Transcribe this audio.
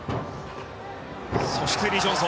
そしてリ・ジョンソン。